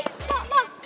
pak pak pak